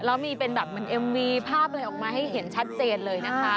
แล้วมีเป็นแบบเหมือนเอ็มวีภาพอะไรออกมาให้เห็นชัดเจนเลยนะคะ